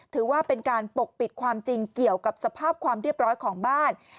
ถือว่าเป็นการปกปิดความจริงเกี่ยวกับสภาพความเรียบร้อยของบ้าน